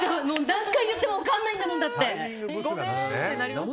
何回言っても分からないんだもん。